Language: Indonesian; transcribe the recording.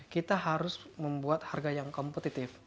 kita harus membuat harga yang kompetitif